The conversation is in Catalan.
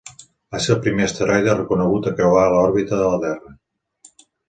Va ser el primer asteroide reconegut a creuar l'òrbita de la Terra.